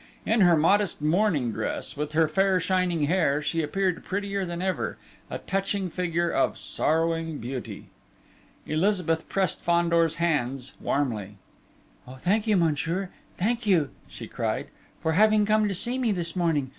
In her modest mourning dress, with her fair shining hair, she appeared prettier than ever: a touching figure of sorrowing beauty! Elizabeth pressed Fandor's hands warmly. "Oh, thank you, monsieur, thank you!" she cried, "for having come to see me this morning.